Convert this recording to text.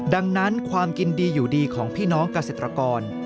ดังนั้นความกินดีอยู่ดีของพี่น้องเกษตรกร